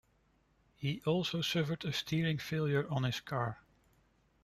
He also suffered a steering failure on his car.